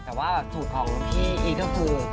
แต่ว่าสูตรของพี่อีก็คือ